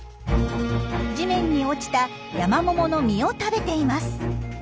地面に落ちたヤマモモの実を食べています。